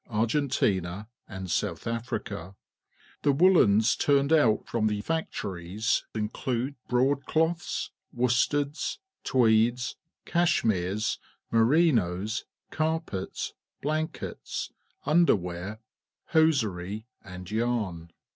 ArgentinaT and So uth Afric a r The woollens turned out from the factories include broad cloths, worsteds, tweeds, cashmeres, merinos, carpets, blankets, undem ear, hosier}', and j'arn.